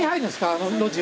あの路地を。